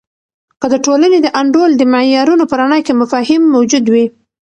که د ټولنې د انډول د معیارونو په رڼا کې مفاهیم موجود وي.